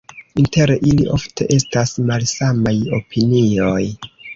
Inter ili ofte estas malsamaj opinioj.